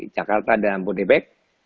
jakarta dan bodebek